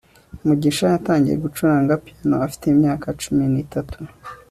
mugisha yatangiye gucuranga piyano afite imyaka cumi n'itatu